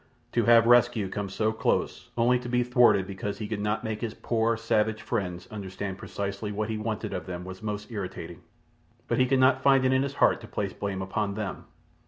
To have rescue come so close only to be thwarted because he could not make his poor, savage friends understand precisely what he wanted of them was most irritating, but he could not find it in his heart to place blame upon them.